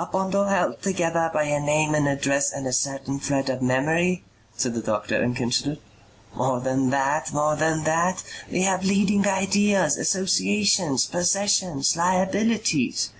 "A bundle held together by a name and address and a certain thread of memory?" said the doctor and considered. "More than that. More than that. We have leading ideas, associations, possessions, liabilities."